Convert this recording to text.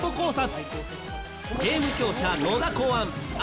ゲーム強者野田考案